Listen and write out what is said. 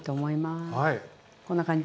こんな感じ。